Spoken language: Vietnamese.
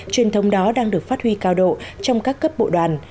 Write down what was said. truyền thông đó đang được phát huy cao độ trong các cấp bộ đoàn